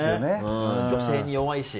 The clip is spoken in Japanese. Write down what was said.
女性に弱いし。